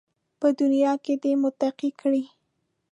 په دنیا کې دې متقي کړي